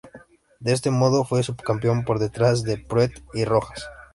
De este modo, fue subcampeón por detrás de Pruett y Rojas.